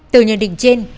từ nhận định trên